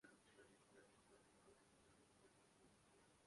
Mughal super heroes متعارف کرانے والے پاکستانی امریکی ڈاکٹر